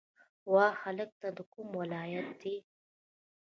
وا هلکه ته د کوم ولایت یی